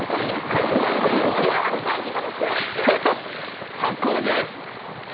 かいつまんで言うと、発酵の違いです。